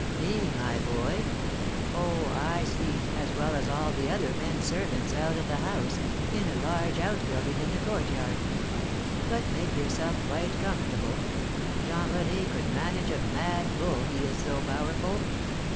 "Me, my boy? Oh, I sleep, as well as all the other men servants, out of the house, in a large outbuilding in the courtyard. But make yourself quite comfortable. Jean René could manage a mad bull, he is so powerful.